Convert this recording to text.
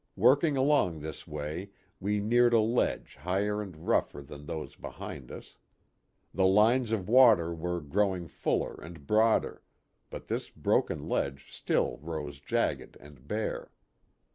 Working along this way we neared a ledge higher and rougher than those behind us. The lines of water were growing fuller and broader, but this broken ledge still rose jagged and bare.